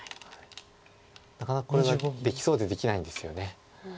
なかなかこれはできそうでできないんですよね。